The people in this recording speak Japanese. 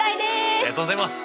ありがとうございます！